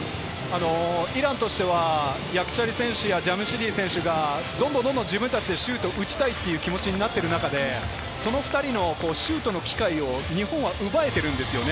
イランとしてはヤクチャリ選手やジャムシディ選手がどんどん自分達でシュートを打ちたいっていう気持ちになっている中で、その２人のシュートの機会を日本は奪えているんですよね。